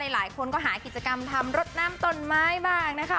หลายคนก็หากิจกรรมทำรถน้ำต้นไม้บ้างนะคะ